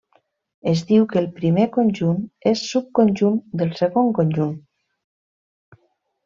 Es diu que el primer conjunt és subconjunt del segon conjunt.